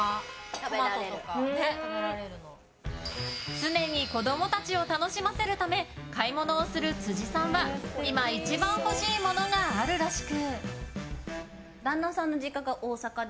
常に子供たちを楽しませるため買い物をする辻さんは今一番欲しいものがあるらしく。